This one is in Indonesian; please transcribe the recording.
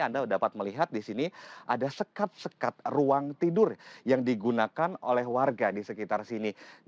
anda dapat melihat di sini ada sekat sekat ruang tidur yang digunakan oleh warga di sekitar sini